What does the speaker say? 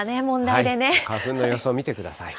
花粉の予想見てください。